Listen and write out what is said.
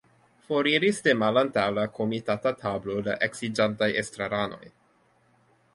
Foriris de malantaŭ la komitata tablo la eksiĝantaj estraranoj.